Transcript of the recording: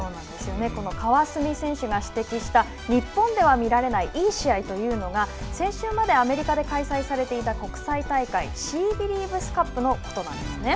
この川澄選手が指摘した日本では見られないいい試合というのが先週までアメリカで開催されていた国際大会シービリーブスカップのことなんですね。